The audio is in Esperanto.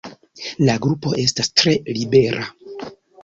La grupo estas tre libera.